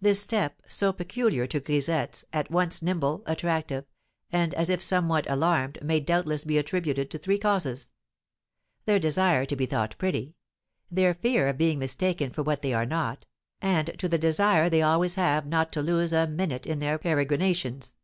This step, so peculiar to grisettes, at once nimble, attractive, and as if somewhat alarmed, may doubtless be attributed to three causes: their desire to be thought pretty, their fear of being mistaken for what they are not, and to the desire they always have not to lose a minute in their peregrinations.